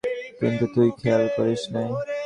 কিন্তু তুই খেয়ালও করিস নাই।